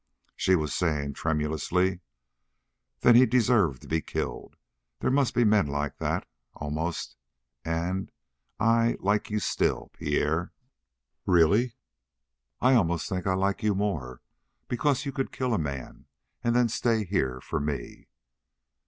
She was saying tremulously: "Then he deserved to be killed. There must be men like that almost. And I like you still, Pierre." "Really?" "I almost think I like you more because you could kill a man and then stay here for me."